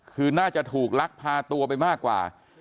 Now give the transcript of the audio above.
คือน่าจะถูกลักพาตัวไปมากกว่า